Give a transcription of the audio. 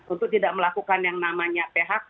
untuk tidak melakukan yang namanya phk